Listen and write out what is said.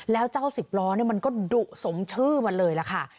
แล้วเจ้าสิบล้อมันก็ดุสมชื่อมันเลยล่ะค่ะ